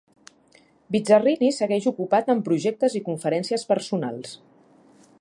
Bizzarrini segueix ocupat amb projectes i conferències personals.